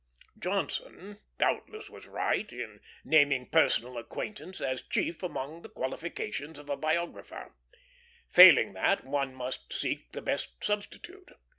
Johnson doubtless was right in naming personal acquaintance as chief among the qualifications of a biographer; failing that, one must seek the best substitute.